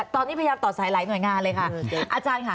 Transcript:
ตอนนี้พยายามต่อสายหลายหน่วยงานเลยค่ะ